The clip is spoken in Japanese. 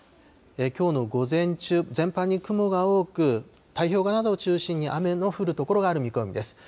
きょうの午前中、全般に雲が多く、太平洋側などを中心に雨の降る所がある見込みです。